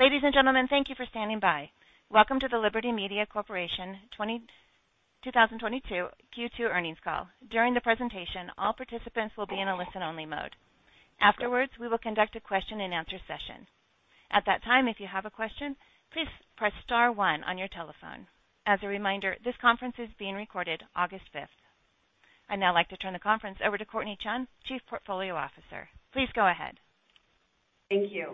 Ladies and gentlemen, thank you for standing by. Welcome to the Liberty Media Corporation 2022 Q2 earnings call. During the presentation, all participants will be in a listen-only mode. Afterwards, we will conduct a question-and-answer session. At that time, if you have a question, please press star one on your telephone. As a reminder, this conference is being recorded August fifth. I'd now like to turn the conference over to Courtney Ulrich, Chief Portfolio Officer. Please go ahead. Thank you.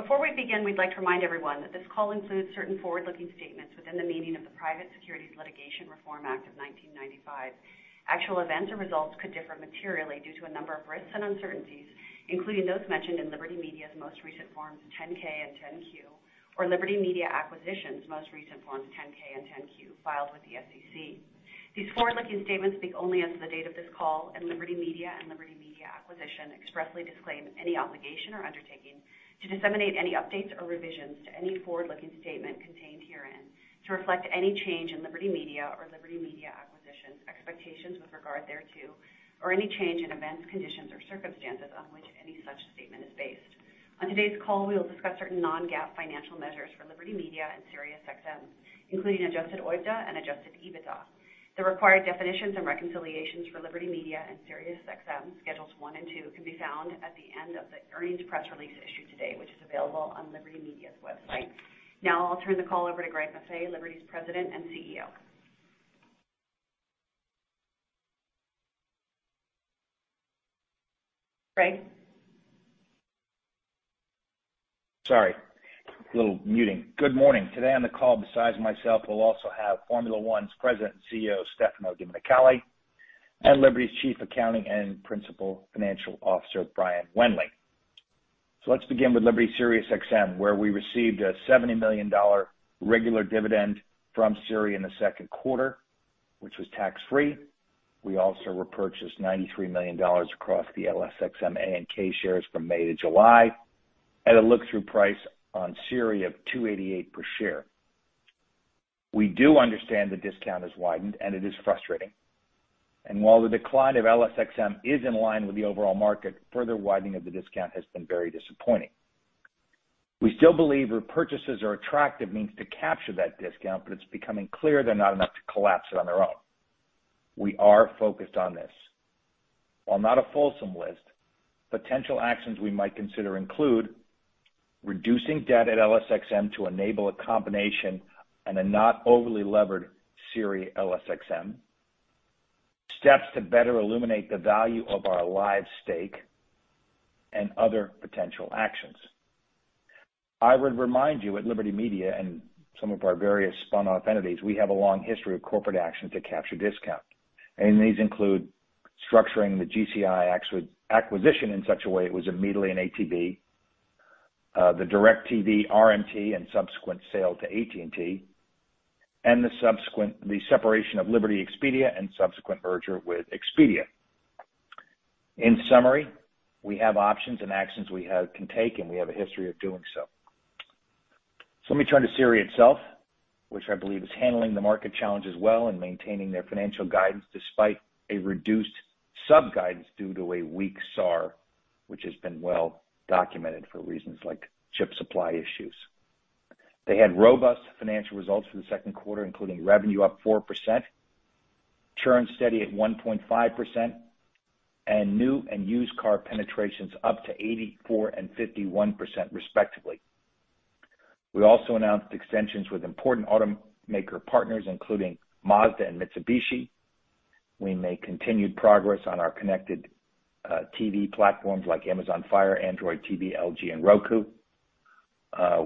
Before we begin, we'd like to remind everyone that this call includes certain forward-looking statements within the meaning of the Private Securities Litigation Reform Act of 1995. Actual events or results could differ materially due to a number of risks and uncertainties, including those mentioned in Liberty Media's most recent Forms 10-K and 10-Q or Liberty Media Corporation's most recent Forms 10-K and 10-Q filed with the SEC. These forward-looking statements speak only as of the date of this call, and Liberty Media and Liberty Media Corporation expressly disclaim any obligation or undertaking to disseminate any updates or revisions to any forward-looking statement contained herein to reflect any change in Liberty Media or Liberty Media Corporation expectations with regard thereto or any change in events, conditions, or circumstances on which any such statement is based. On today's call, we will discuss certain non-GAAP financial measures for Liberty Media and SiriusXM, including Adjusted OIBDA and Adjusted EBITDA. The required definitions and reconciliations for Liberty Media and SiriusXM, Schedules one and two, can be found at the end of the earnings press release issued today, which is available on Liberty Media's website. Now I'll turn the call over to Greg Maffei, Liberty's President and CEO. Greg? Sorry, a little muting. Good morning. Today on the call besides myself, we'll also have Formula One's President and CEO, Stefano Domenicali, and Liberty's Chief Accounting and Principal Financial Officer, Brian Wendling. Let's begin with Liberty SiriusXM, where we received a $70 million regular dividend from SiriusXM in the second quarter, which was tax-free. We also repurchased $93 million across the LSXMA and K shares from May to July at a look-through price on SiriusXM of 288 per share. We do understand the discount has widened, and it is frustrating. While the decline of LSXMA is in line with the overall market, further widening of the discount has been very disappointing. We still believe repurchases are attractive means to capture that discount, but it's becoming clear they're not enough to collapse it on their own. We are focused on this. While not a fulsome list, potential actions we might consider include reducing debt at LSXMA to enable a combination and a not overly levered Sirius LSXMA, steps to better illuminate the value of our Live Nation stake, and other potential actions. I would remind you, at Liberty Media and some of our various spun-off entities, we have a long history of corporate action to capture discount. These include structuring the GCI acquisition in such a way it was immediately an ATB, the DirecTV RMT and subsequent sale to AT&T, and the subsequent separation of Liberty Expedia and subsequent merger with Expedia. In summary, we have options and actions we can take, and we have a history of doing so. Let me turn to SiriusXM itself, which I believe is handling the market challenges well and maintaining their financial guidance despite a reduced sub guidance due to a weak SAR, which has been well documented for reasons like chip supply issues. They had robust financial results for the second quarter, including revenue up 4%, churn steady at 1.5%, and new and used car penetrations up to 84% and 51% respectively. We also announced extensions with important automaker partners, including Mazda and Mitsubishi. We made continued progress on our connected TV platforms like Amazon Fire TV, Android TV, LG, and Roku.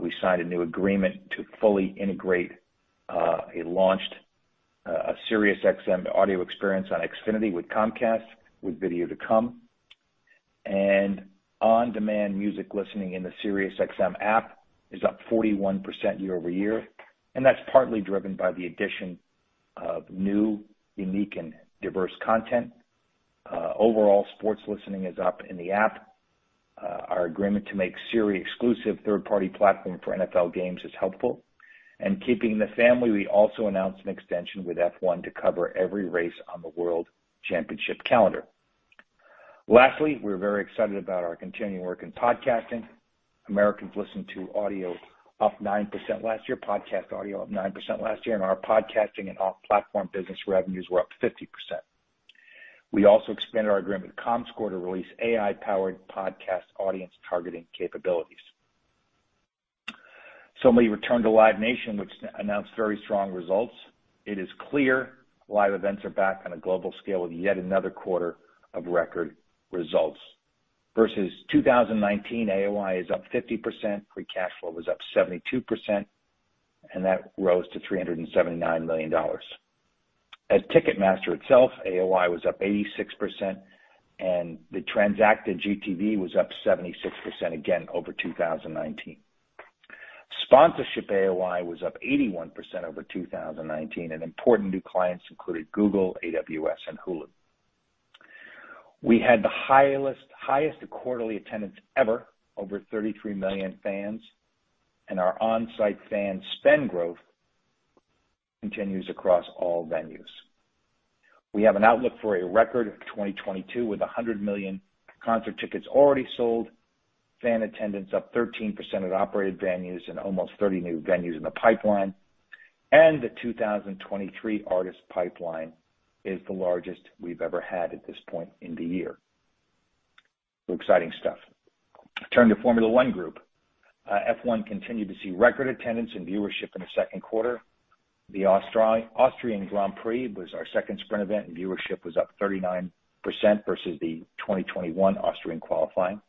We signed a new agreement to fully integrate a launched SiriusXM audio experience on Xfinity with Comcast, with video to come. On-demand music listening in the SiriusXM app is up 41% year-over-year, and that's partly driven by the addition of new, unique, and diverse content. Overall, sports listening is up in the app. Our agreement to make Sirius exclusive third-party platform for NFL games is helpful. Keeping in the family, we also announced an extension with F1 to cover every race on the world championship calendar. Lastly, we're very excited about our continuing work in podcasting. Americans listened to audio up 9% last year, podcast audio up 9% last year, and our podcasting and off-platform business revenues were up 50%. We also expanded our agreement with Comscore to release AI-powered podcast audience targeting capabilities. Let me return to Live Nation, which announced very strong results. It is clear live events are back on a global scale with yet another quarter of record results. Versus 2019, AOI is up 50%, free cash flow was up 72%, and that rose to $379 million. As Ticketmaster itself, AOI was up 86%, and the transacted GTV was up 76% again over 2019. Sponsorship AOI was up 81% over 2019, and important new clients included Google, AWS, and Hulu. We had the highest quarterly attendance ever, over 33 million fans, and our on-site fan spend growth continues across all venues. We have an outlook for a record 2022 with 100 million concert tickets already sold, fan attendance up 13% at operated venues and almost 30 new venues in the pipeline. The 2023 artist pipeline is the largest we've ever had at this point in the year. Exciting stuff. Turn to Formula One Group. F1 continued to see record attendance and viewership in the second quarter. The Austrian Grand Prix was our second sprint event, and viewership was up 39% versus the 2021 Austrian qualifying.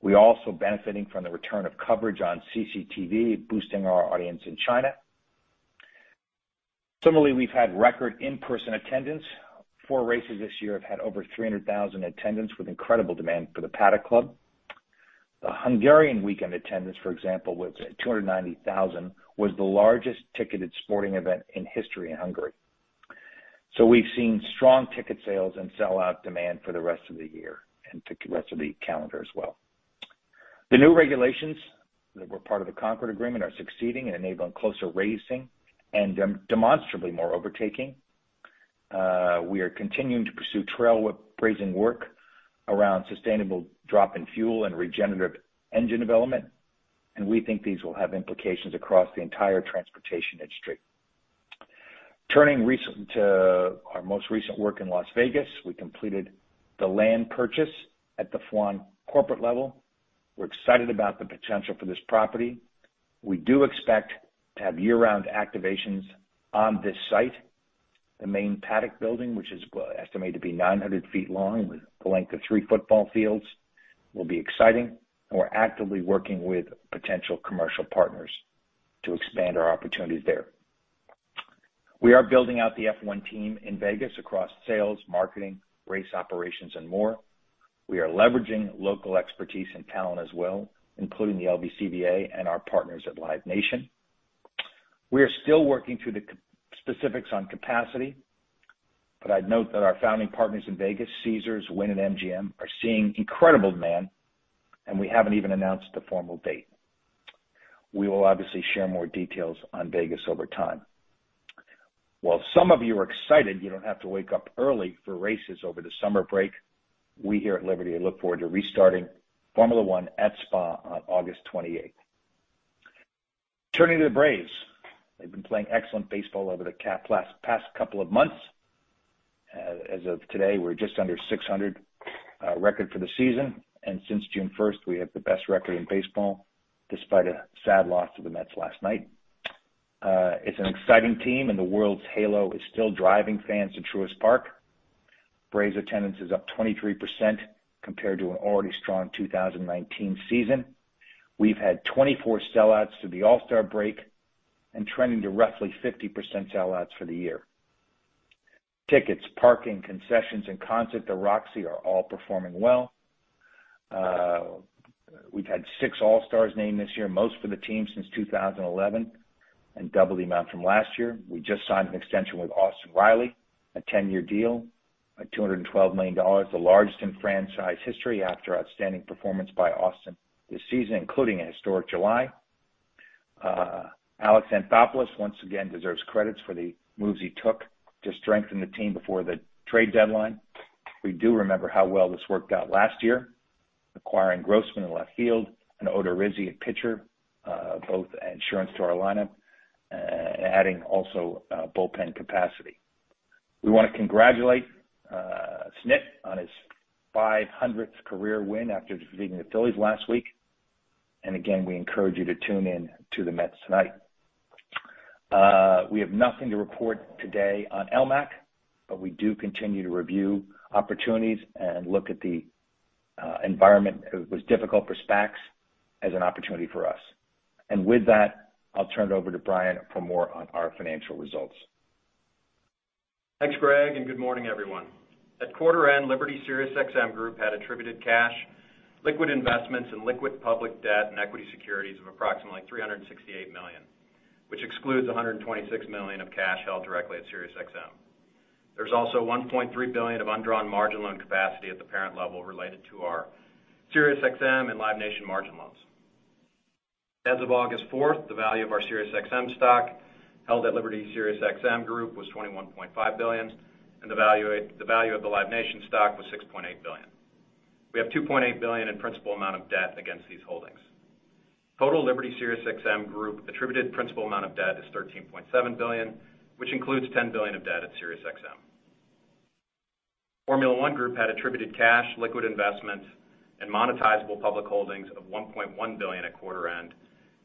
We're also benefiting from the return of coverage on CCTV, boosting our audience in China. Similarly, we've had record in-person attendance. Four races this year have had over 300,000 attendance, with incredible demand for the Paddock Club. The Hungarian weekend attendance, for example, with 290,000, was the largest ticketed sporting event in history in Hungary. We've seen strong ticket sales and sell-out demand for the rest of the year and the rest of the calendar as well. The new regulations that were part of the Concorde Agreement are succeeding in enabling closer racing and demonstrably more overtaking. We are continuing to pursue trailblazing work around sustainable drop-in fuel and regenerative engine development, and we think these will have implications across the entire transportation industry. Turning to our most recent work in Las Vegas, we completed the land purchase at the FWONA corporate level. We're excited about the potential for this property. We do expect to have year-round activations on this site. The main paddock building, which is estimated to be 900 feet long, with the length of three football fields, will be exciting, and we're actively working with potential commercial partners to expand our opportunities there. We are building out the F1 team in Vegas across sales, marketing, race operations, and more. We are leveraging local expertise and talent as well, including the LVCVA and our partners at Live Nation. We are still working through the specifics on capacity, but I'd note that our founding partners in Vegas, Caesars, Wynn, and MGM, are seeing incredible demand, and we haven't even announced the formal date. We will obviously share more details on Vegas over time. While some of you are excited you don't have to wake up early for races over the summer break, we here at Liberty look forward to restarting Formula One at Spa on August 28. Turning to the Braves. They've been playing excellent baseball over the past couple of months. As of today, we're just under .600 record for the season, and since June 1st, we have the best record in baseball, despite a sad loss to the Mets last night. It's an exciting team, and the World Series halo is still driving fans to Truist Park. Braves attendance is up 23% compared to an already strong 2019 season. We've had 24 sellouts to the All-Star break and trending to roughly 50% sellouts for the year. Tickets, parking, concessions, and concert at Roxy are all performing well. We've had six All-Stars named this year, most for the team since 2011, and double the amount from last year. We just signed an extension with Austin Riley, a 10-year deal at $212 million, the largest in franchise history after outstanding performance by Austin this season, including a historic July. Alex Anthopoulos once again deserves credit for the moves he took to strengthen the team before the trade deadline. We do remember how well this worked out last year, acquiring Grossman in left field and Odorizzi, a pitcher, both insurance to our lineup, adding also bullpen capacity. We wanna congratulate Snit on his 500th career win after defeating the Phillies last week. We encourage you to tune in to the Mets tonight. We have nothing to report today on LMAC, but we do continue to review opportunities and look at the environment. It was difficult for SPACs as an opportunity for us. With that, I'll turn it over to Brian for more on our financial results. Thanks, Greg, and good morning, everyone. At quarter end, Liberty SiriusXM Group had attributed cash, liquid investments, and liquid public debt and equity securities of approximately $368 million, which excludes $126 million of cash held directly at SiriusXM. There's also $1.3 billion of undrawn margin loan capacity at the parent level related to our SiriusXM and Live Nation margin loans. As of August 4, the value of our SiriusXM stock held at Liberty SiriusXM Group was $21.5 billion, and the value of the Live Nation stock was $6.8 billion. We have $2.8 billion in principal amount of debt against these holdings. Total Liberty SiriusXM Group attributed principal amount of debt is $13.7 billion, which includes $10 billion of debt at SiriusXM. Formula One Group had attributable cash, liquid investments, and monetizable public holdings of $1.1 billion at quarter end,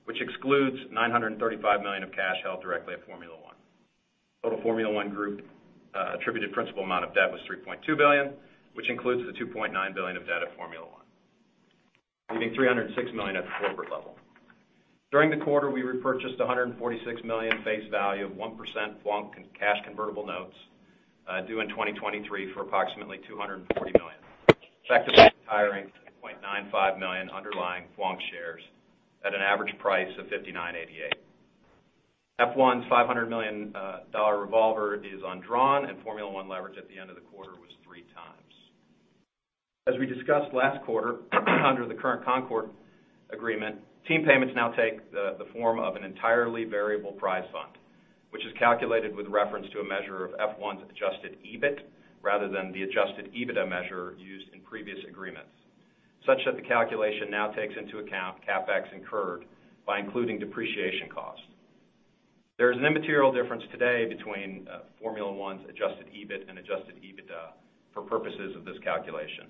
which excludes $935 million of cash held directly at Formula One. Total Formula One Group attributable principal amount of debt was $3.2 billion, which includes the $2.9 billion of debt at Formula One, leaving $306 million at the corporate level. During the quarter, we repurchased $146 million face value of 1% FWONA cash convertible notes due in 2023 for approximately $240 million. Effectively retiring 2.95 million underlying FWONA shares at an average price of $59.88. F1's $500 million revolver is undrawn, and Formula One leverage at the end of the quarter was three times. As we discussed last quarter, under the current Concorde Agreement, team payments now take the form of an entirely variable prize fund, which is calculated with reference to a measure of F1's adjusted EBIT rather than the adjusted EBITDA measure used in previous agreements, such that the calculation now takes into account CapEx incurred by including depreciation costs. There is an immaterial difference today between Formula One's adjusted EBIT and adjusted EBITDA for purposes of this calculation.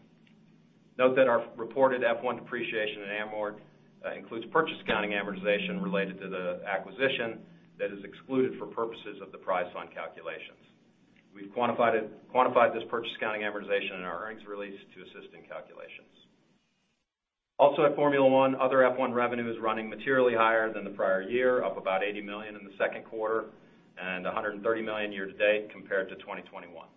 Note that our reported F1 depreciation in amort includes purchase accounting amortization related to the acquisition that is excluded for purposes of the prize fund calculations. We've quantified this purchase accounting amortization in our earnings release to assist in calculations. Also at Formula One, other F1 revenue is running materially higher than the prior year of about $80 million in the second quarter and $130 million year to date compared to 2021.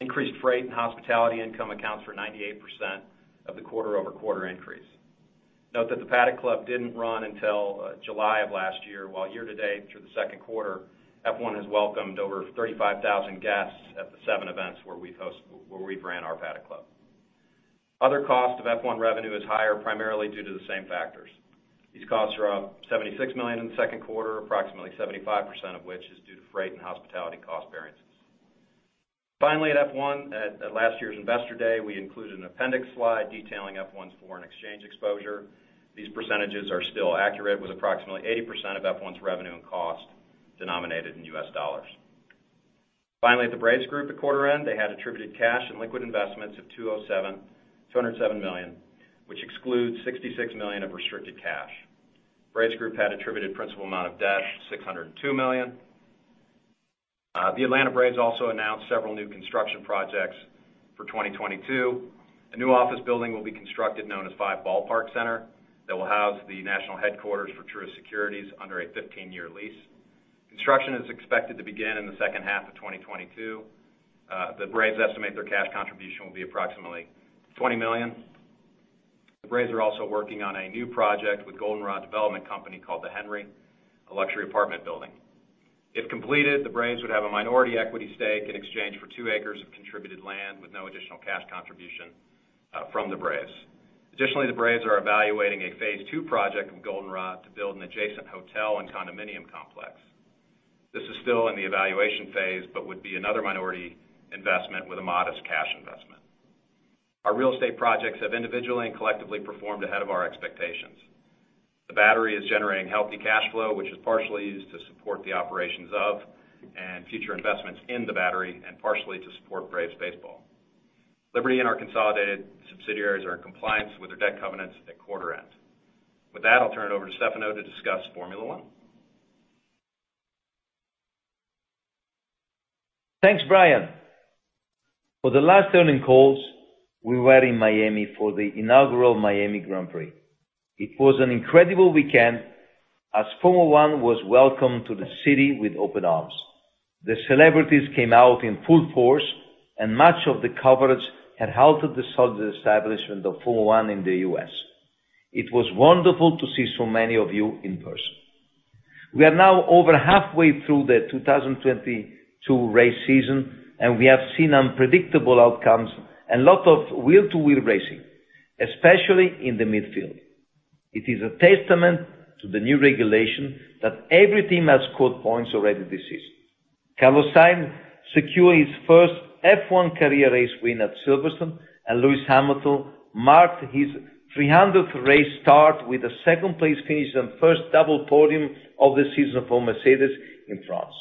Increased freight and hospitality income accounts for 98% of the quarter-over-quarter increase. Note that the Paddock Club didn't run until July of last year, while year to date through the second quarter, F1 has welcomed over 35,000 guests at the seven events where we've ran our Paddock Club. Other cost of F1 revenue is higher primarily due to the same factors. These costs are up $76 million in the second quarter, approximately 75% of which is due to freight and hospitality cost variances. Finally, at F1, at last year's Investor Day, we included an appendix slide detailing F1's foreign exchange exposure. These percentages are still accurate, with approximately 80% of F1's revenue and cost denominated in US dollars. Finally, at the Braves Group at quarter end, they had attributed cash and liquid investments of $207 million, which excludes $66 million of restricted cash. Braves Group had attributed principal amount of debt, $602 million. The Atlanta Braves also announced several new construction projects for 2022. A new office building will be constructed known as Five Ballpark Center that will house the national headquarters for Truist Securities under a 15-year lease. Construction is expected to begin in the second half of 2022. The Braves estimate their cash contribution will be approximately $20 million. The Braves are also working on a new project with Goldenrod Development Company called The Henry, a luxury apartment building. If completed, the Braves would have a minority equity stake in exchange for two acres of contributed land with no additional cash contribution from the Braves. Additionally, the Braves are evaluating a phase two project of Goldenrod to build an adjacent hotel and condominium complex. This is still in the evaluation phase, but would be another minority investment with a modest cash investment. Our real estate projects have individually and collectively performed ahead of our expectations. The Battery is generating healthy cash flow, which is partially used to support the operations of and future investments in The Battery, and partially to support Braves baseball. Liberty and our consolidated subsidiaries are in compliance with their debt covenants at quarter end. With that, I'll turn it over to Stefano to discuss Formula One. Thanks, Brian. For the last earnings calls, we were in Miami for the inaugural Miami Grand Prix. It was an incredible weekend as Formula One was welcomed to the city with open arms. The celebrities came out in full force, and much of the coverage had helped to solidify the establishment of Formula One in the U.S. It was wonderful to see so many of you in person. We are now over halfway through the 2022 race season, and we have seen unpredictable outcomes and a lot of wheel-to-wheel racing, especially in the midfield. It is a testament to the new regulation that every team has scored points already this season. Carlos Sainz secured his first F1 career race win at Silverstone, and Lewis Hamilton marked his 300th race start with a second-place finish and first double podium of the season for Mercedes in France.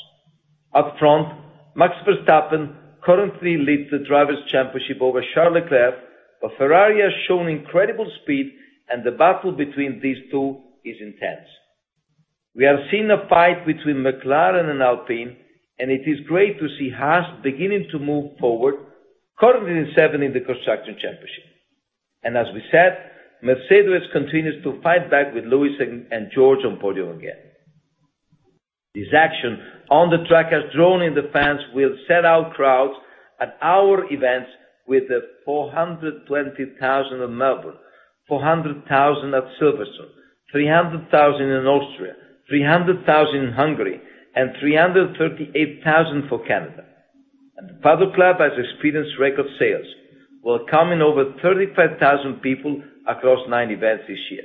Up front, Max Verstappen currently leads the Drivers' Championship over Charles Leclerc, but Ferrari has shown incredible speed and the battle between these two is intense. We have seen a fight between McLaren and Alpine, and it is great to see Haas beginning to move forward, currently in seventh in the Constructors' Championship. As we said, Mercedes continues to fight back with Lewis and George on podium again. This action on the track has drawn in the fans with sold-out crowds at our events with the 420,000 at Melbourne, 400,000 at Silverstone, 300,000 in Austria, 300,000 in Hungary, and 338,000 for Canada. The Paddock Club has experienced record sales, welcoming over 35,000 people across nine events this year,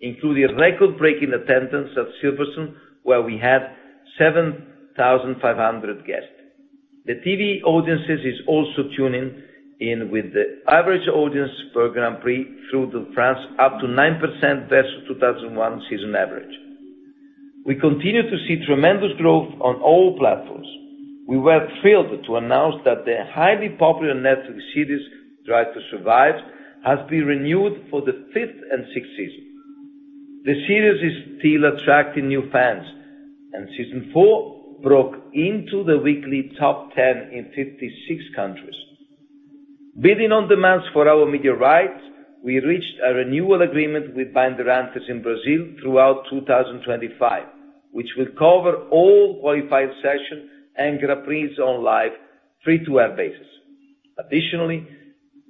including record-breaking attendance at Silverstone, where we had 7,500 guests. The TV audience is also tuning in with the average audience per Grand Prix through the France up to 9% versus 2001 season average. We continue to see tremendous growth on all platforms. We were thrilled to announce that the highly popular Netflix series, Drive to Survive, has been renewed for the fifth and sixth season. The series is still attracting new fans, and Season Four broke into the weekly Top Ten in 56 countries. Building on demands for our media rights, we reached a renewal agreement with Bandeirantes in Brazil throughout 2025, which will cover all qualifying sessions and Grands Prix on live, free-to-air basis. Additionally,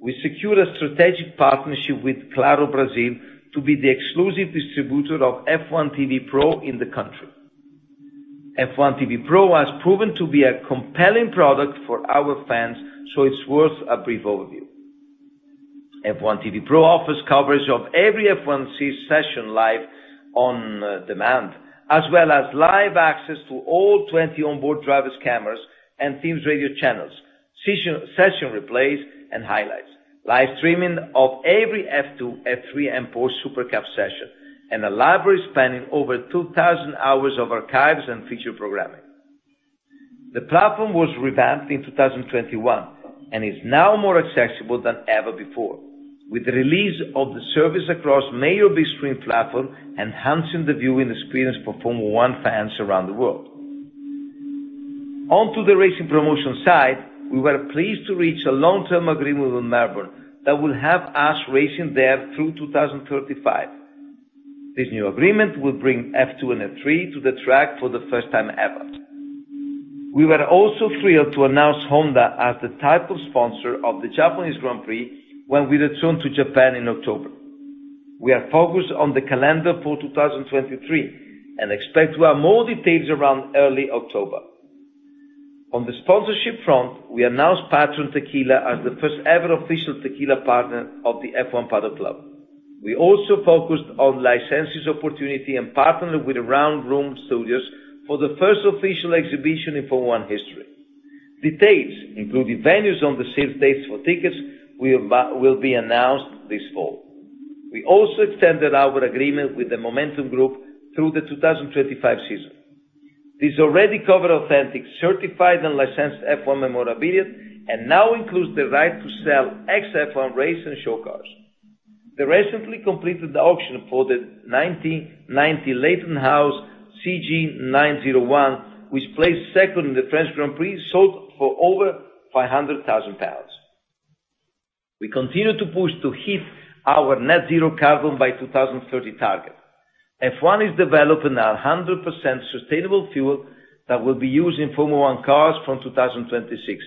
we secured a strategic partnership with Claro Brasil to be the exclusive distributor of F1 TV Pro in the country. F1 TV Pro has proven to be a compelling product for our fans, so it's worth a brief overview. F1 TV Pro offers coverage of every F1 race session live on demand, as well as live access to all 20 onboard driver cameras and team radio channels, session replays and highlights, live streaming of every F2, F3, and Porsche Supercup session, and a library spanning over 2,000 hours of archives and feature programming. The platform was revamped in 2021 and is now more accessible than ever before, with the release of the service across major big screen platforms, enhancing the viewing experience for Formula One fans around the world. On to the racing promotion side, we were pleased to reach a long-term agreement with Melbourne that will have us racing there through 2035. This new agreement will bring F2 and F3 to the track for the first time ever. We were also thrilled to announce Honda as the title sponsor of the Japanese Grand Prix when we return to Japan in October. We are focused on the calendar for 2023 and expect to have more details around early October. On the sponsorship front, we announced Patrón Tequila as the first ever official tequila partner of the F1 Paddock Club. We also focused on licensing opportunity and partnered with Round Room Studios for the first official exhibition in Formula One history. Details, including venues and the sale dates for tickets, will be announced this fall. We also extended our agreement with the Memento Group through the 2025 season. This already cover authentic, certified, and licensed F1 memorabilia and now includes the right to sell ex-F1 race and show cars. The recently completed auction for the 1990 Leyton House CG901, which placed second in the French Grand Prix, sold for over 500,000 pounds. We continue to push to hit our net zero carbon by 2030 target. F1 is developing 100% sustainable fuel that will be used in Formula One cars from 2026.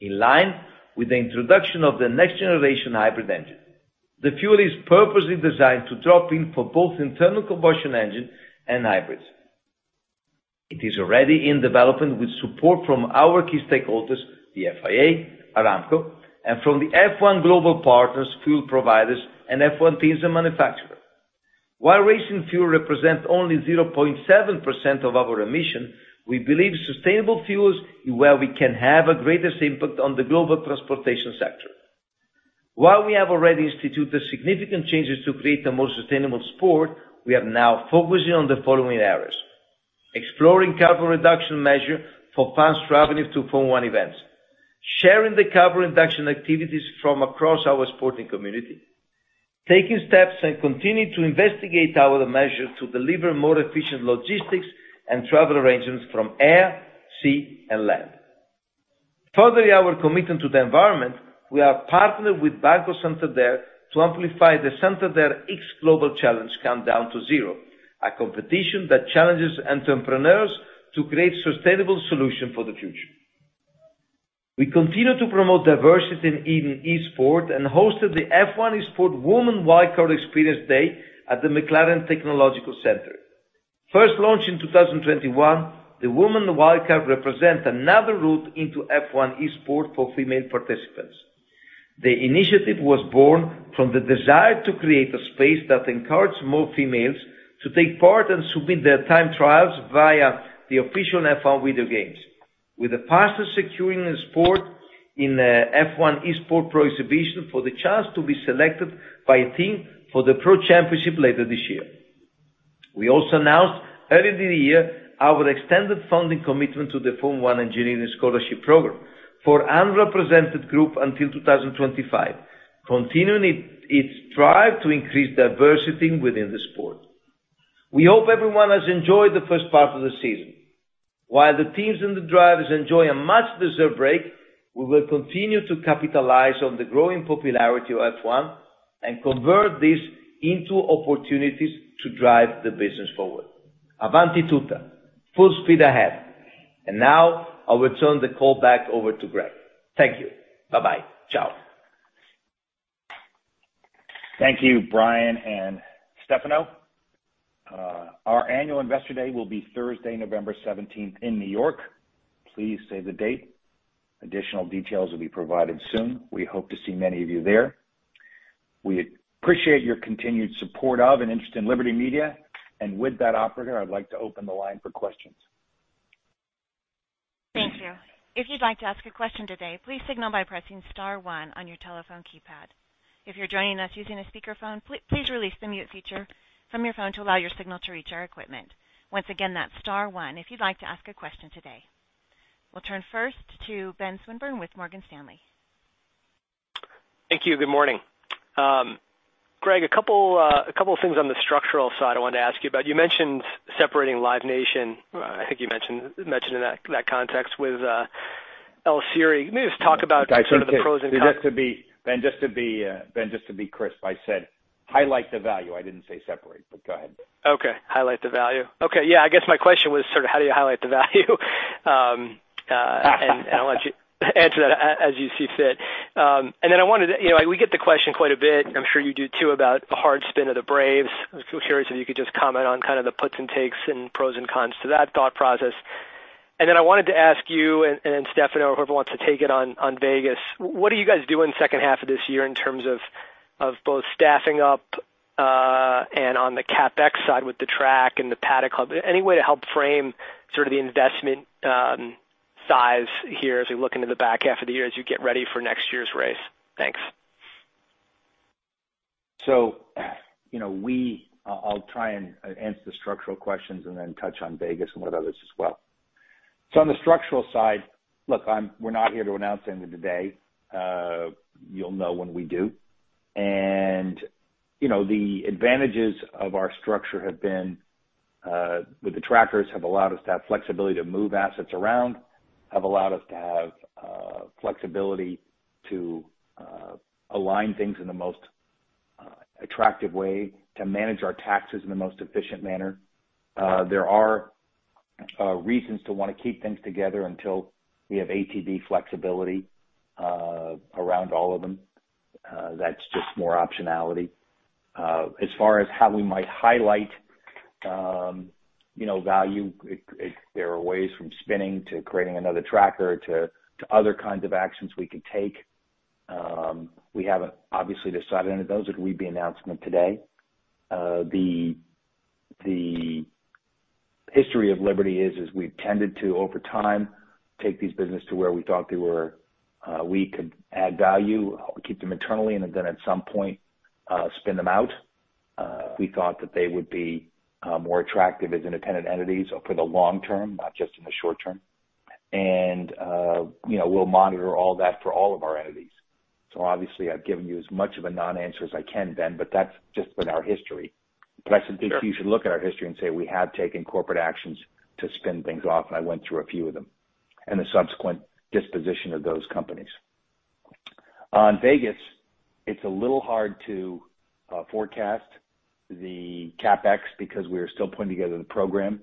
In line with the introduction of the next generation hybrid engine. The fuel is purposely designed to drop in for both internal combustion engine and hybrids. It is already in development with support from our key stakeholders, the FIA, Aramco, and from the F1 Global Partners, fuel providers, and F1 teams and manufacturer. While racing fuel represents only 0.7% of our emission, we believe sustainable fuels is where we can have a greatest impact on the global transportation sector. While we have already instituted significant changes to create a more sustainable sport, we are now focusing on the following areas. Exploring carbon reduction measure for fans traveling to Formula One events, sharing the carbon reduction activities from across our sporting community, taking steps and continuing to investigate our measures to deliver more efficient logistics and travel arrangements from air, sea and land. Furthering our commitment to the environment, we are partnered with Banco Santander to amplify the Santander X Global Challenge, Countdown to Zero, a competition that challenges entrepreneurs to create sustainable solution for the future. We continue to promote diversity in Esports and hosted the F1 Esports Women's Wildcard Experience Day at the McLaren Technology Center. First launched in 2021, the Women's Wildcard represent another route into F1 Esports for female participants. The initiative was born from the desire to create a space that encouraged more females to take part and submit their time trials via the official F1 video games, with a winner securing a spot in the F1 Esports Pro Exhibition for the chance to be selected by a team for the Pro Championship later this year. We also announced earlier in the year our extended funding commitment to the Formula 1 Engineering Scholarship Programme for underrepresented group until 2025, continuing its strive to increase diversity within the sport. We hope everyone has enjoyed the first part of the season. While the teams and the drivers enjoy a much deserved break, we will continue to capitalize on the growing popularity of F1 and convert this into opportunities to drive the business forward. Avanti tutta. Full speed ahead. Now I will turn the call back over to Greg. Thank you. Bye-bye. Ciao. Thank you, Brian and Stefano. Our annual investor day will be Thursday, November seventeenth in New York. Please save the date. Additional details will be provided soon. We hope to see many of you there. We appreciate your continued support of and interest in Liberty Media. With that operator, I'd like to open the line for questions. Thank you. If you'd like to ask a question today, please signal by pressing star one on your telephone keypad. If you're joining us using a speaker phone, please release the mute feature from your phone to allow your signal to reach our equipment. Once again, that's star one if you'd like to ask a question today. We'll turn first to Ben Swinburne with Morgan Stanley. Thank you. Good morning. Greg, a couple things on the structural side I wanted to ask you about. You mentioned separating Live Nation. I think you mentioned in that context with Sirius. Can you just talk about sort of the pros and cons? Ben, just to be crisp, I said highlight the value. I didn't say separate, but go ahead. Yeah, I guess my question was sort of how do you highlight the value? I'll let you Answer that as you see fit. You know, we get the question quite a bit, I'm sure you do too, about the hard spin of the Braves. I was curious if you could just comment on kind of the puts and takes and pros and cons to that thought process. I wanted to ask you and Stefano, whoever wants to take it on Vegas. What are you guys doing second half of this year in terms of both staffing up and on the CapEx side with the track and the Paddock Club? Any way to help frame sort of the investment size here as we look into the back half of the year as you get ready for next year's race? Thanks. You know, I'll try and answer the structural questions and then touch on Vegas and one of the others as well. On the structural side, look, we're not here to announce the end of the day. You'll know when we do. You know, the advantages of our structure have been with the trackers have allowed us to have flexibility to move assets around, have allowed us to have flexibility to align things in the most attractive way to manage our taxes in the most efficient manner. There are reasons to wanna keep things together until we have ATD flexibility around all of them. That's just more optionality. As far as how we might highlight, you know, value, there are ways from spinning to creating another tracker to other kinds of actions we could take. We haven't, obviously, decided any of those, it wouldn't be an announcement today. The history of Liberty is, we've tended to, over time, take these businesses to where we thought they were, where we could add value, keep them internally, and then at some point, spin them out. We thought that they would be more attractive as independent entities for the long term, not just in the short term. You know, we'll monitor all that for all of our entities. Obviously, I've given you as much of a non-answer as I can then, but that's just been our history. I think you should look at our history and say we have taken corporate actions to spin things off, and I went through a few of them, and the subsequent disposition of those companies. On Vegas, it's a little hard to forecast the CapEx because we are still putting together the program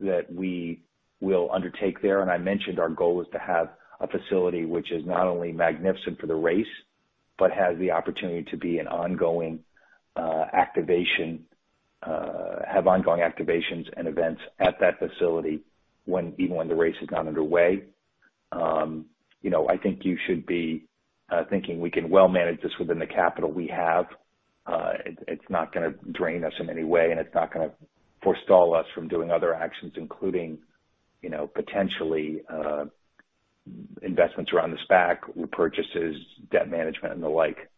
that we will undertake there. I mentioned our goal is to have a facility which is not only magnificent for the race, but has the opportunity to have ongoing activations and events at that facility when the race is not underway. You know, I think you should be thinking we can well manage this within the capital we have. It's not gonna drain us in any way, and it's not gonna forestall us from doing other actions, including, you know, potentially, investments around the SPAC, repurchases, debt management and the like.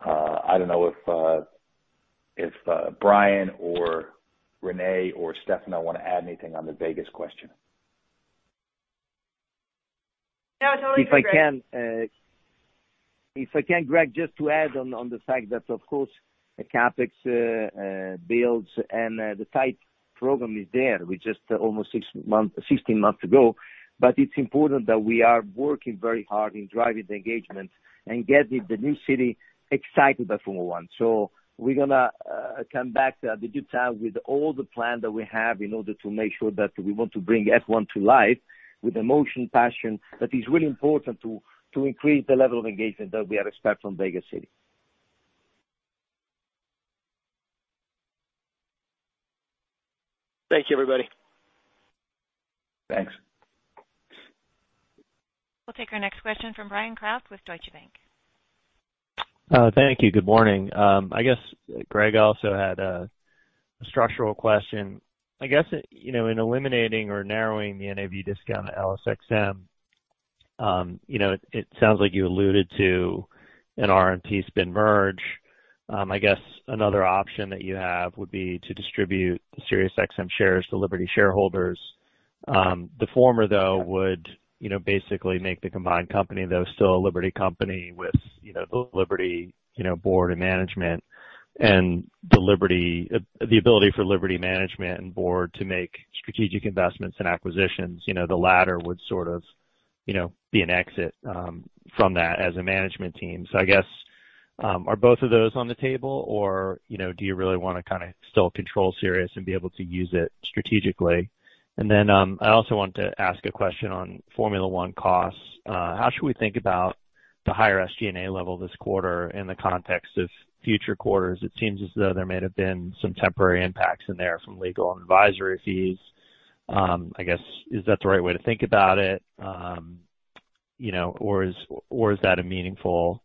I don't know if Brian or Renee or Stefano wanna add anything on the Vegas question. No, totally. If I can, Greg, just to add on to the fact that, of course, the CapEx builds and the timeline is there just almost 16 months ago. It's important that we are working very hard in driving the engagement and getting the new city excited about Formula One. We're gonna come back in due time with all the plans that we have in order to make sure that we want to bring F1 to life with emotion, passion, that is really important to increase the level of engagement that we expect from Las Vegas. Thank you, everybody. Thanks. We'll take our next question from Bryan Kraft with Deutsche Bank. Thank you. Good morning. I guess Greg also had a structural question. I guess, you know, in eliminating or narrowing the NAV discount at LSXMA, you know, it sounds like you alluded to a Reverse Morris Trust. I guess another option that you have would be to distribute the SiriusXM shares to Liberty shareholders. The former, though, would, you know, basically make the combined company, though, still a Liberty company with, you know, Liberty, you know, board and management and the ability for Liberty management and board to make strategic investments and acquisitions. You know, the latter would sort of, you know, be an exit from that as a management team. I guess, are both of those on the table or, you know, do you really wanna kinda still control Sirius and be able to use it strategically? I also want to ask a question on Formula One costs. How should we think about the higher SG&A level this quarter in the context of future quarters? It seems as though there may have been some temporary impacts in there from legal and advisory fees. I guess, is that the right way to think about it? You know, or is that a meaningful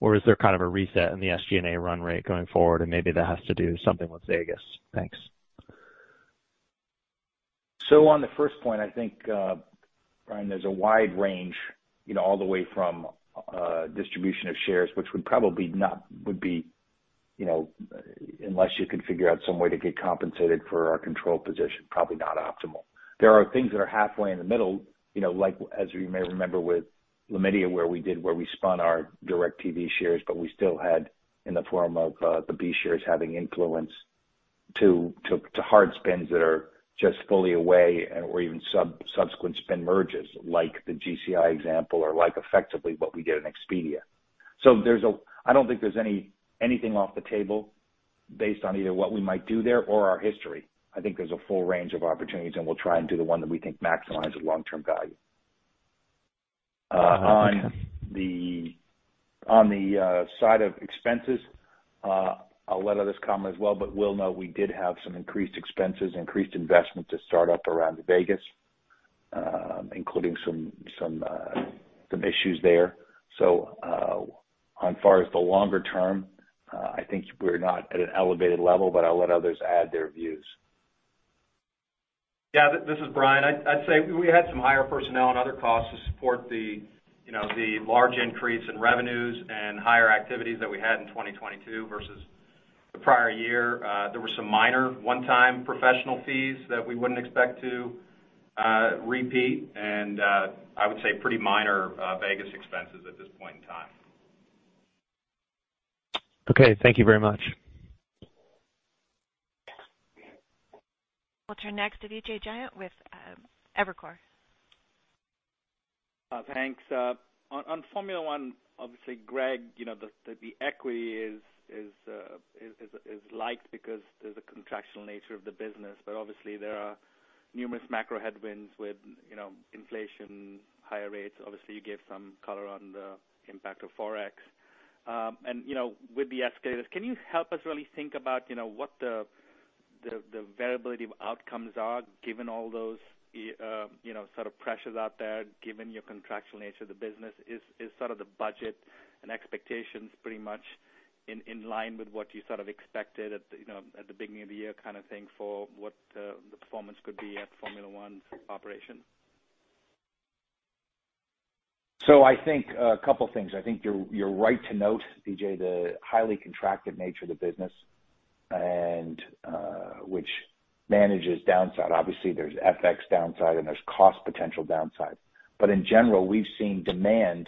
or is there kind of a reset in the SG&A run rate going forward? And maybe that has to do something with Vegas. Thanks. On the first point, I think, Brian, there's a wide range, you know, all the way from distribution of shares, which would be, you know, unless you could figure out some way to get compensated for our control position, probably not optimal. There are things that are halfway in the middle, you know, like as we may remember with Liberty Media, where we spun our DirecTV shares, but we still had in the form of the B-shares having influence to hard spins that are just fully away and or even subsequent spin merges like the GCI example or like effectively what we did in Expedia. There's a. I don't think there's anything off the table. Based on either what we might do there or our history. I think there's a full range of opportunities, and we'll try and do the one that we think maximizes long-term value. On the side of expenses, I'll let others comment as well, but will note we did have some increased expenses, increased investment to start up around Vegas, including some issues there. As far as the longer term, I think we're not at an elevated level, but I'll let others add their views. Yeah. This is Brian. I'd say we had some higher personnel and other costs to support the, you know, the large increase in revenues and higher activities that we had in 2022 versus the prior year. There were some minor one-time professional fees that we wouldn't expect to repeat. I would say pretty minor Vegas expenses at this point in time. Okay. Thank you very much. We'll turn next to Vijay Jayant with Evercore. Thanks. On Formula One, obviously, Greg, you know, the equity is liked because there's a contractual nature of the business. Obviously there are numerous macro headwinds with, you know, inflation, higher rates. Obviously, you gave some color on the impact of Forex. With the escalators, can you help us really think about, you know, what the variability of outcomes are given all those, you know, sort of pressures out there, given your contractual nature of the business. Is the budget and expectations pretty much in line with what you sort of expected at, you know, at the beginning of the year kind of thing for what the performance could be at Formula One operation? I think a couple things. I think you're right to note, Vijay, the highly contracted nature of the business and, which manages downside. Obviously, there's FX downside and there's cost potential downside. But in general, we've seen demand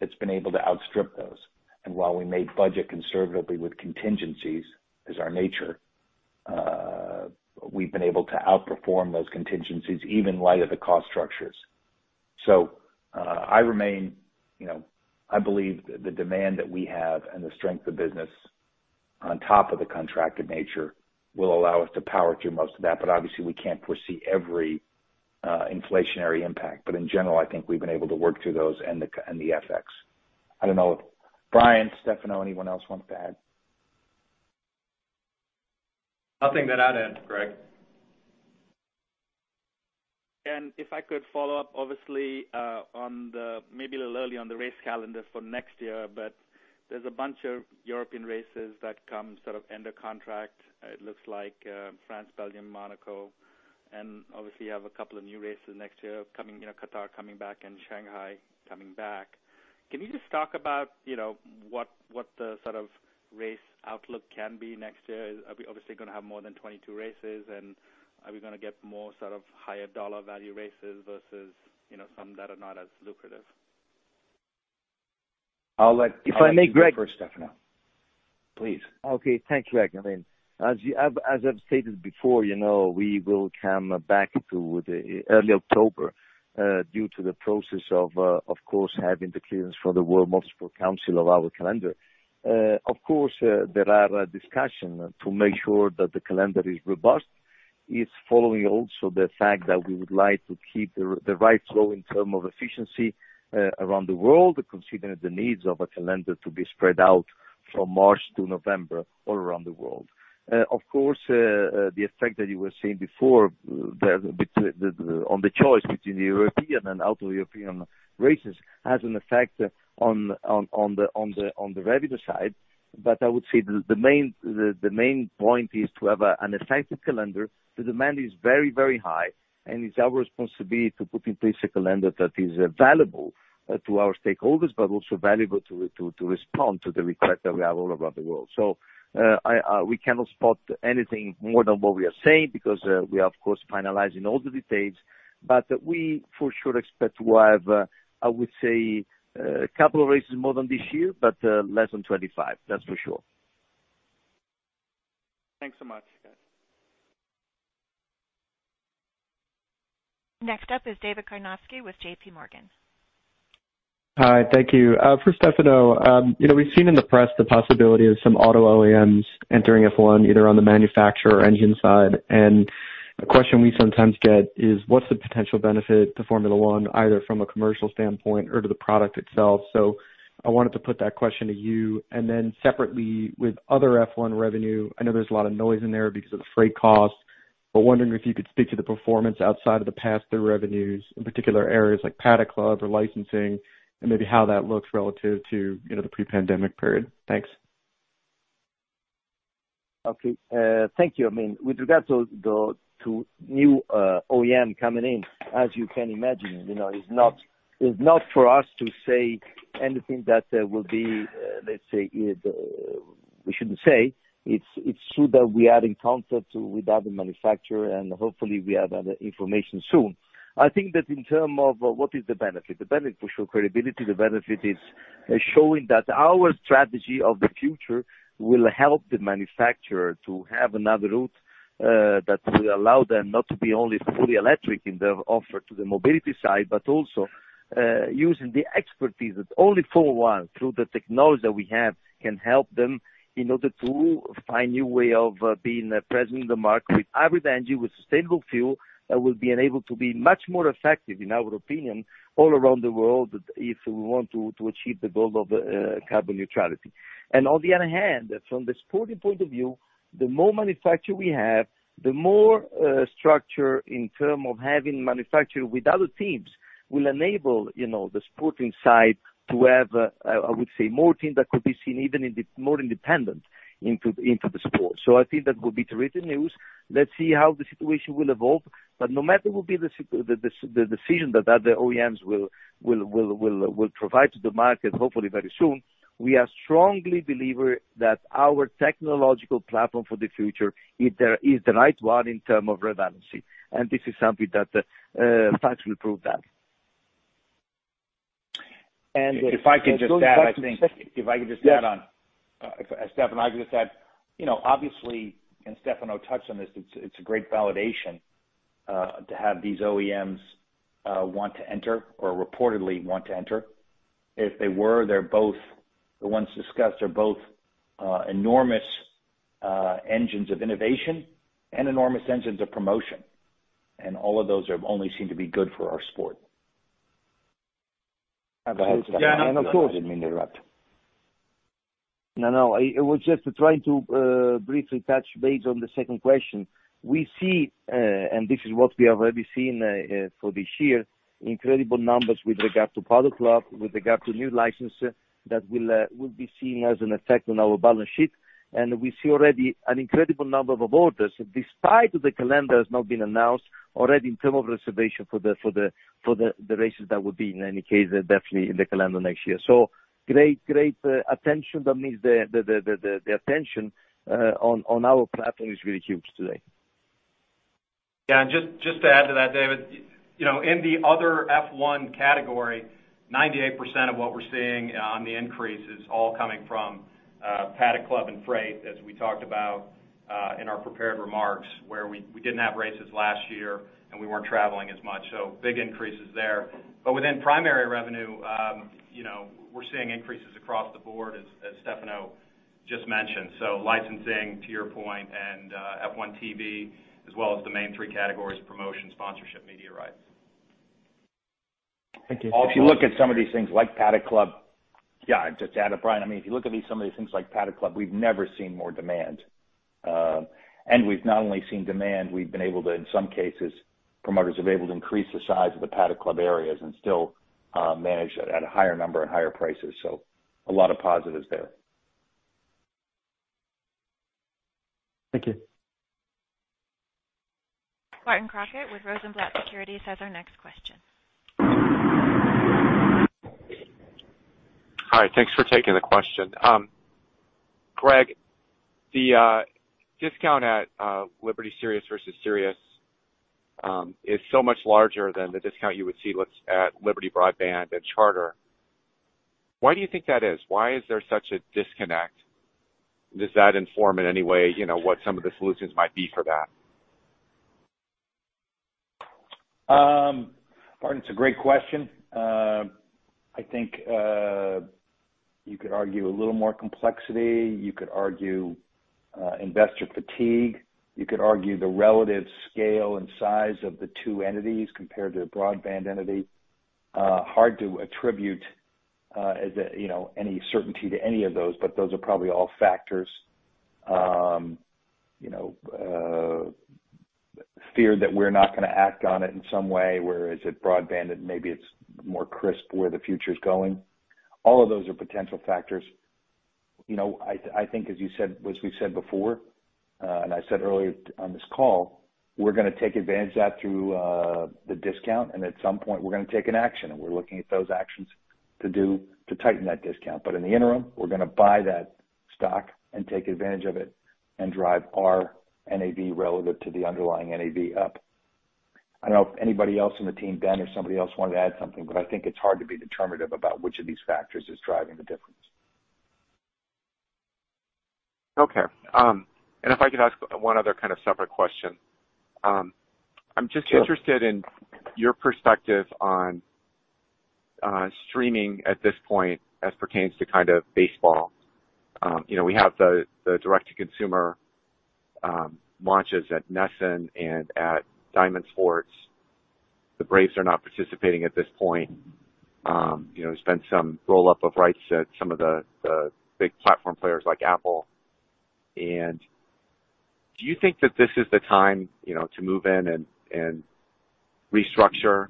that's been able to outstrip those. And while we made budget conservatively with contingencies, it's our nature, we've been able to outperform those contingencies even in light of the cost structures. I remain. You know, I believe the demand that we have and the strength of business on top of the contracted nature will allow us to power through most of that. But obviously, we can't foresee every inflationary impact. But in general, I think we've been able to work through those and the FX. I don't know if Brian, Stefano, anyone else wants to add. Nothing that I'd add, Greg. If I could follow up obviously on the maybe a little early on the race calendar for next year, but there's a bunch of European races that come sort of end of contract. It looks like France, Belgium, Monaco. Obviously you have a couple of new races next year coming. You know, Qatar coming back and Shanghai coming back. Can you just talk about, you know, what the sort of race outlook can be next year? Are we obviously gonna have more than 22 races, and are we gonna get more sort of higher dollar value races versus, you know, some that are not as lucrative? I'll let- If I may, Greg. You go first, Stefano. Please. Okay. Thank you, Greg. I mean, as I've stated before, you know, we will come back to the early October due to the process of course having the clearance for the World Motor Sport Council of our calendar. Of course, there are discussion to make sure that the calendar is robust. It's following also the fact that we would like to keep the right flow in term of efficiency around the world, considering the needs of a calendar to be spread out from March to November all around the world. Of course, the effect that you were seeing before, the between the on the choice between the European and out of European races has an effect on the revenue side. I would say the main point is to have an effective calendar. The demand is very high, and it's our responsibility to put in place a calendar that is valuable to our stakeholders, but also valuable to respond to the request that we have all around the world. We cannot say anything more than what we are saying because we are of course finalizing all the details. We for sure expect to have, I would say, a couple of races more than this year, but less than 25, that's for sure. Thanks so much, guys. Next up is David Karnovsky with JPMorgan. Hi. Thank you. For Stefano, you know, we've seen in the press the possibility of some auto OEMs entering F1, either on the manufacturer or engine side. A question we sometimes get is what's the potential benefit to Formula One, either from a commercial standpoint or to the product itself? I wanted to put that question to you. Then separately, with other F1 revenue, I know there's a lot of noise in there because of the freight costs, but wondering if you could speak to the performance outside of the pass-through revenues, in particular areas like Paddock Club or licensing, and maybe how that looks relative to, you know, the pre-pandemic period. Thanks. Okay. Thank you. I mean, with regard to the new OEM coming in, as you can imagine, you know, it's not for us to say anything that will be, let's say, we shouldn't say. It's true that we are in concert with other manufacturer, and hopefully we have other information soon. I think that in terms of what is the benefit, the benefit for sure credibility, the benefit is showing that our strategy of the future will help the manufacturer to have another route, that will allow them not to be only fully electric in their offer to the mobility side, but also, using the expertise that only Formula One, through the technology we have, can help them in order to find new way of, being present in the market with hybrid engine, with sustainable fuel, that will be enabled to be much more effective in our opinion, all around the world, if we want to achieve the goal of, carbon neutrality. On the other hand, from the sporting point of view, the more manufacturer we have, the more structure in term of having manufacturer with other teams will enable, you know, the sporting side to have, I would say more teams that could be seen even more independent into the sport. I think that could be great news. Let's see how the situation will evolve. No matter will be the decision that other OEMs will provide to the market, hopefully very soon, we are strongly believer that our technological platform for the future is the right one in term of relevancy. This is something that facts will prove that. Going back to the second- If I could just add, I think. Yes. If I could just add on. As Stefano just said, you know, obviously, and Stefano touched on this, it's a great validation to have these OEMs want to enter or reportedly want to enter. The ones discussed are both enormous engines of innovation and enormous engines of promotion. All of those only seem to be good for our sport. Of course. Go ahead, Stefano. I didn't mean to interrupt. No, no. I was just trying to briefly touch base on the second question. We see, and this is what we have already seen, for this year, incredible numbers with regard to Paddock Club, with regard to new license that will be seen as an effect on our balance sheet. We see already an incredible number of orders, despite the calendar has not been announced already in terms of reservation for the races that would be in any case, definitely in the calendar next year. Great attention. That means the attention on our platform is really huge today. Yeah. Just to add to that, David, you know, in the other F1 category, 98% of what we're seeing on the increase is all coming from Paddock Club and freight, as we talked about in our prepared remarks, where we didn't have races last year and we weren't traveling as much, so big increases there. Within primary revenue, you know, we're seeing increases across the board as Stefano just mentioned. Licensing, to your point, and F1 TV, as well as the main three categories of promotion, sponsorship, media rights. Thank you. If you look at some of these things like Paddock Club. Yeah, just to add, Brian. I mean, if you look at these, some of these things like Paddock Club, we've never seen more demand. We've not only seen demand, we've been able to, in some cases, promoters have been able to increase the size of the Paddock Club areas and still manage it at a higher number and higher prices. A lot of positives there. Thank you. Barton Crockett with Rosenblatt Securities has our next question. Hi. Thanks for taking the question. Greg, the discount at Liberty SiriusXM versus SiriusXM is so much larger than the discount you would see at Liberty Broadband and Charter. Why do you think that is? Why is there such a disconnect? Does that inform in any way, you know, what some of the solutions might be for that? Martin, it's a great question. I think you could argue a little more complexity. You could argue investor fatigue. You could argue the relative scale and size of the two entities compared to a broadband entity. Hard to attribute, you know, any certainty to any of those, but those are probably all factors. You know, fear that we're not gonna act on it in some way, whereas at broadband, it maybe it's more crisp where the future's going. All of those are potential factors. You know, I think as you said, as we said before, and I said earlier on this call, we're gonna take advantage of that through the discount, and at some point we're gonna take an action, and we're looking at those actions to do to tighten that discount. In the interim, we're gonna buy that stock and take advantage of it and drive our NAV relative to the underlying NAV up. I don't know if anybody else on the team, Ben or somebody else, wanted to add something, but I think it's hard to be determinative about which of these factors is driving the difference. Okay. If I could ask one other kind of separate question. I'm just interested. Sure. In your perspective on streaming at this point as pertains to kind of baseball. You know, we have the direct-to-consumer launches at NESN and at Diamond Sports. The Braves are not participating at this point. You know, there's been some roll-up of rights at some of the big platform players like Apple. Do you think that this is the time, you know, to move in and restructure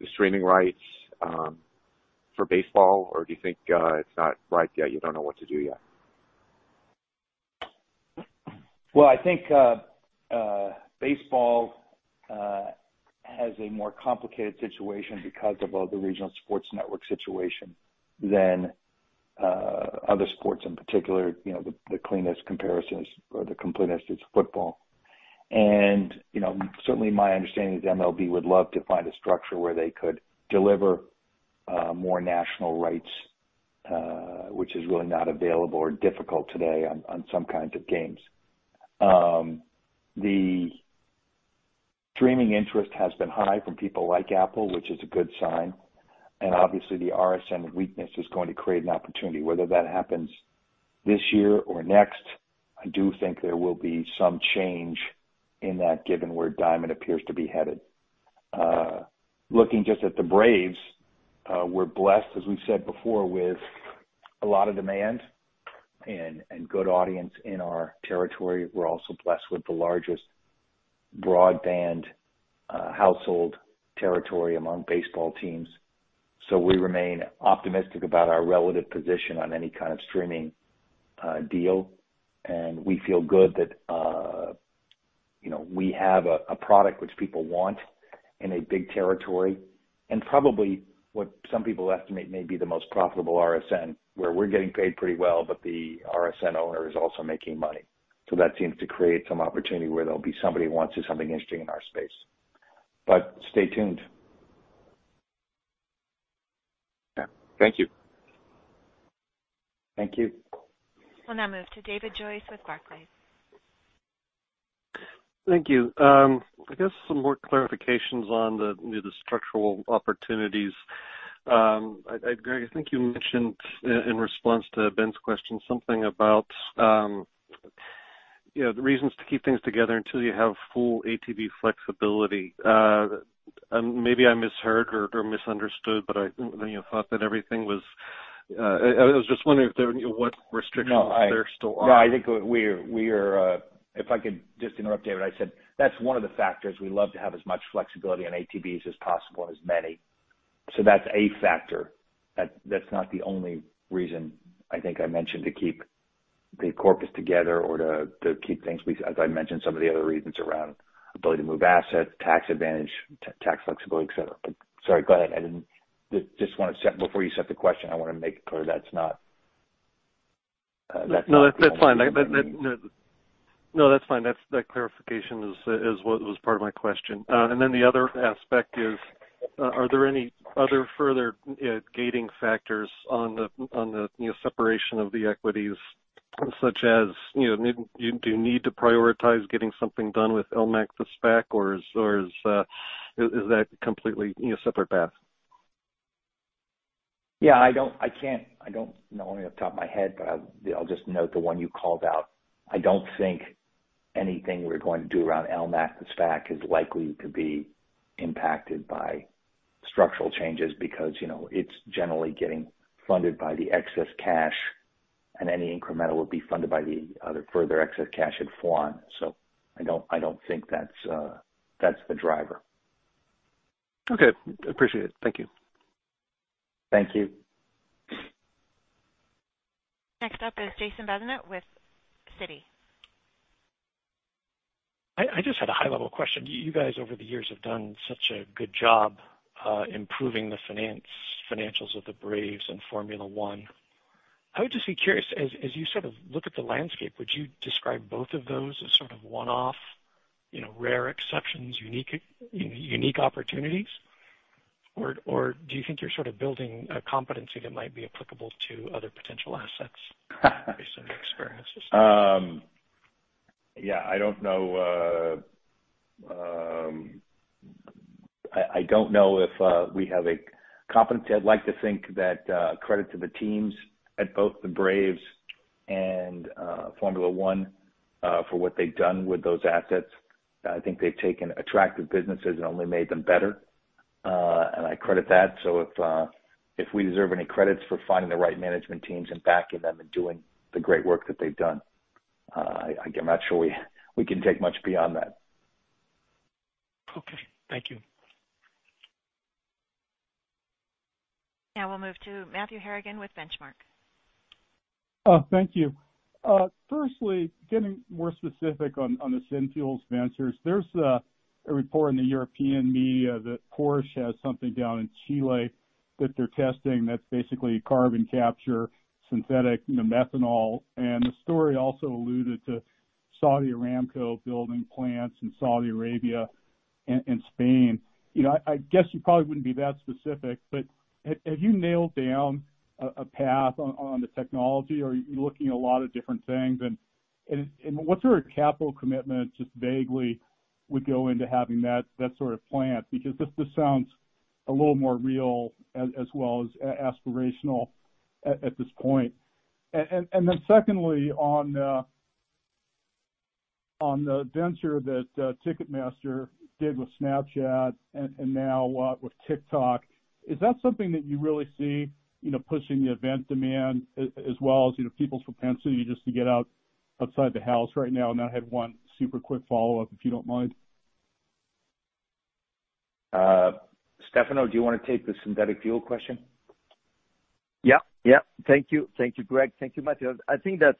the streaming rights for baseball? Or do you think it's not right yet, you don't know what to do yet? Well, I think baseball has a more complicated situation because of all the regional sports network situation than other sports in particular, you know, the cleanest comparisons or the completeness is football. You know, certainly my understanding is MLB would love to find a structure where they could deliver more national rights, which is really not available or difficult today on some kinds of games. The streaming interest has been high from people like Apple, which is a good sign. Obviously the RSN weakness is going to create an opportunity. Whether that happens this year or next, I do think there will be some change in that, given where Diamond appears to be headed. Looking just at the Braves, we're blessed, as we've said before, with a lot of demand and good audience in our territory. We're also blessed with the largest broadband household territory among baseball teams. We remain optimistic about our relative position on any kind of streaming deal. We feel good that, you know, we have a product which people want in a big territory and probably what some people estimate may be the most profitable RSN, where we're getting paid pretty well, but the RSN owner is also making money. That seems to create some opportunity where there'll be somebody who wants to do something interesting in our space. Stay tuned. Yeah. Thank you. Thank you. We'll now move to David Joyce with Barclays. Thank you. I guess some more clarifications on the structural opportunities. Greg, I think you mentioned in response to Ben's question something about, you know, the reasons to keep things together until you have full ATB flexibility. Maybe I misheard or misunderstood, but you know, I thought that everything was. I was just wondering what restrictions there still are. No, I think we are, if I could just interrupt, David. I said that's one of the factors. We love to have as much flexibility on ATBs as possible and as many. That's a factor. That's not the only reason. I think I mentioned to keep the corpus together or to keep things, as I mentioned, some of the other reasons around ability to move assets, tax advantage, tax flexibility, et cetera. Sorry, go ahead. I didn't, just wanted to set, before you ask the question, I wanna make clear that's not. No, that's fine. That clarification is what was part of my question. Then the other aspect is, are there any other further gating factors on the, you know, separation of the equities, such as, you know, do you need to prioritize getting something done with LMAC, the SPAC, or is that completely, you know, separate path? Yeah, I don't know off the top of my head, but you know, I'll just note the one you called out. I don't think anything we're going to do around LMAC, the SPAC, is likely to be impacted by structural changes because, you know, it's generally getting funded by the excess cash, and any incremental would be funded by the other further excess cash at Formula One. I don't think that's the driver. Okay. Appreciate it. Thank you. Thank you. Next up is Jason Bazinet with Citi. I just had a high level question. You guys over the years have done such a good job improving the financials of the Braves and Formula One. I would just be curious, as you sort of look at the landscape, would you describe both of those as sort of one-off, you know, rare exceptions, unique opportunities? Or do you think you're sort of building a competency that might be applicable to other potential assets based on your experiences? Yeah, I don't know if we have a competency. I'd like to think that credit to the teams at both the Braves and Formula One for what they've done with those assets. I think they've taken attractive businesses and only made them better. I credit that. If we deserve any credits for finding the right management teams and backing them and doing the great work that they've done, I'm not sure we can take much beyond that. Okay. Thank you. Now we'll move to Matthew Harrigan with Benchmark. Oh, thank you. Firstly, getting more specific on the synfuels ventures. There's a report in the European media that Porsche has something down in Chile that they're testing that's basically carbon capture synthetic, you know, methanol. The story also alluded to Saudi Aramco building plants in Saudi Arabia and Spain. You know, I guess you probably wouldn't be that specific, but have you nailed down a path on the technology, or are you looking at a lot of different things? And what sort of capital commitment, just vaguely, would go into having that sort of plant? Because this sounds a little more real as well as aspirational at this point. Then secondly, on the venture that Ticketmaster did with Snapchat and now with TikTok, is that something that you really see, you know, pushing the event demand as well as, you know, people's propensity just to get outside the house right now? I have one super quick follow-up, if you don't mind. Stefano, do you want to take the synthetic fuel question? Yeah. Thank you. Thank you, Greg. Thank you, Matthew. I think that,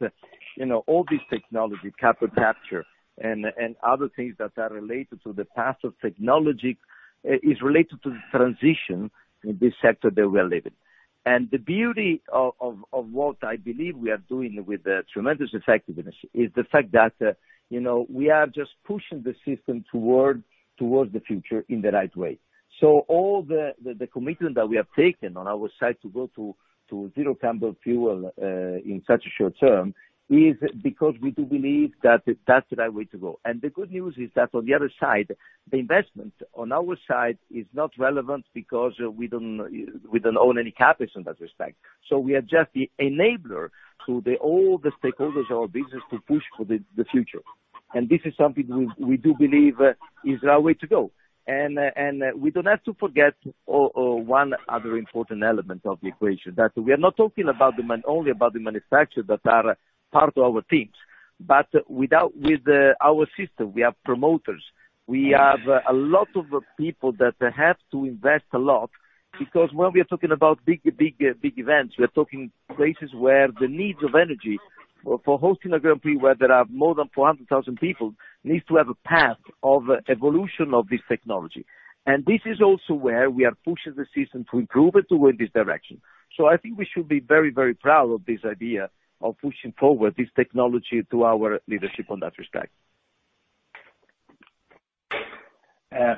you know, all these technology, capital capture and other things that are related to the path of technology is related to the transition in this sector that we are living. The beauty of what I believe we are doing with tremendous effectiveness is the fact that, you know, we are just pushing the system towards the future in the right way. All the commitment that we have taken on our side to go to zero carbon fuel in such a short term is because we do believe that that's the right way to go. The good news is that on the other side, the investment on our side is not relevant because we don't own any CapEx in that respect. We are just the enabler to all the stakeholders of our business to push for the future. This is something we do believe is the right way to go. We don't have to forget one other important element of the equation, that we are not talking only about the manufacturers that are part of our teams, but with our system, we have promoters. We have a lot of people that have to invest a lot, because when we are talking about big events, we're talking places where the needs of energy for hosting a Grand Prix, where there are more than 400,000 people needs to have a path of evolution of this technology. This is also where we are pushing the system to improve it toward this direction. I think we should be very, very proud of this idea of pushing forward this technology to our leadership on that respect.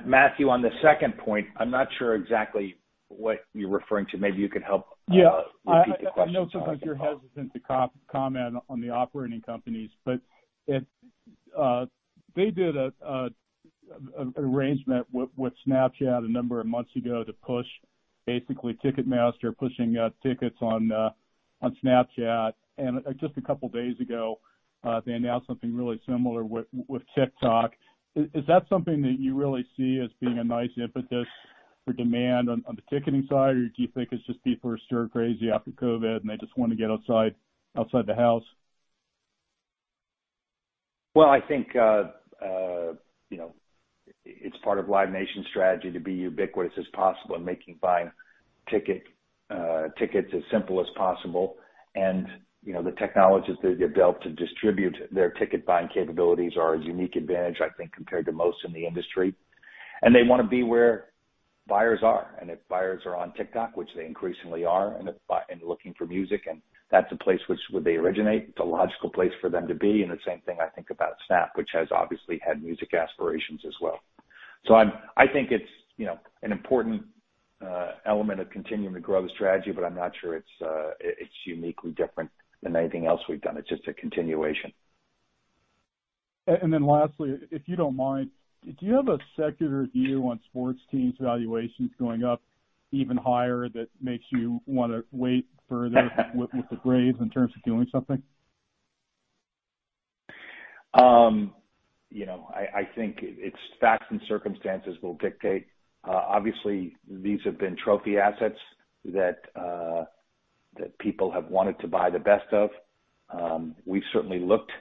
Matthew, on the second point, I'm not sure exactly what you're referring to. Maybe you could help. Yeah. Repeat the question. I know sometimes you're hesitant to comment on the operating companies, but they did an arrangement with Snapchat a number of months ago to push basically Ticketmaster pushing tickets on Snapchat. Just a couple of days ago, they announced something really similar with TikTok. Is that something that you really see as being a nice impetus for demand on the ticketing side? Or do you think it's just people are stir-crazy after COVID and they just wanna get outside the house? Well, I think, you know, it's part of Live Nation's strategy to be ubiquitous as possible and making buying tickets as simple as possible. You know, the technologies they've developed to distribute their ticket buying capabilities are a unique advantage, I think, compared to most in the industry. They wanna be where buyers are. If buyers are on TikTok, which they increasingly are, and looking for music, and that's a place where they originate, it's a logical place for them to be. The same thing I think about Snap, which has obviously had music aspirations as well. I think it's, you know, an important element of continuing to grow the strategy, but I'm not sure it's uniquely different than anything else we've done. It's just a continuation. Lastly, if you don't mind, do you have a secular view on sports teams valuations going up even higher that makes you wanna wait further with the Braves in terms of doing something? You know, I think it's facts and circumstances will dictate. Obviously these have been trophy assets that people have wanted to buy the best of. We've certainly looked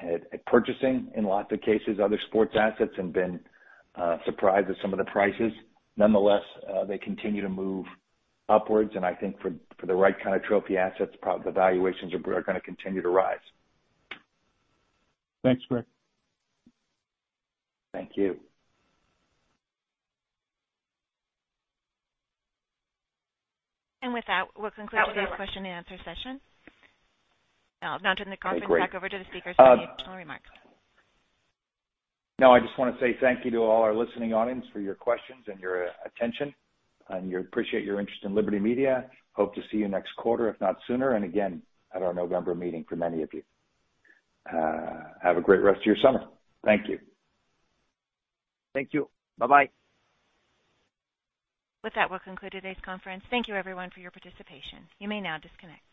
at purchasing, in lots of cases, other sports assets and been surprised at some of the prices. Nonetheless, they continue to move upwards. I think for the right kind of trophy assets, the valuations are gonna continue to rise. Thanks, Greg. Thank you. With that, we'll conclude. That was great. Today's question and answer session. Now, if not in the conference. Great. Back over to the speakers for any additional remarks. No, I just wanna say thank you to all our listening audience for your questions and your attention. We appreciate your interest in Liberty Media. Hope to see you next quarter, if not sooner, and again, at our November meeting for many of you. Have a great rest of your summer. Thank you. Thank you. Bye-bye. With that, we'll conclude today's conference. Thank you everyone for your participation. You may now disconnect.